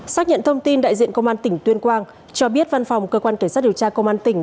xác nhận thông tin đại diện công an tỉnh tuyên quang cho biết văn phòng cơ quan cảnh sát điều tra công an tỉnh